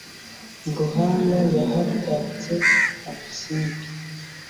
mu ruhanga yahatatse amasimbi